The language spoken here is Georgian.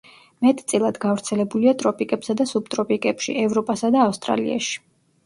მეტწილად გავრცელებულია ტროპიკებსა და სუბტროპიკებში, ევროპასა და ავსტრალიაში.